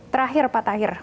terakhir pak tahir